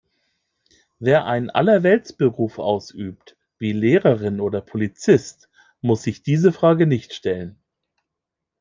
Wer einen Allerweltsberuf ausübt, wie Lehrerin oder Polizist, muss sich diese Frage nicht stellen.